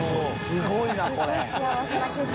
すごい幸せな景色。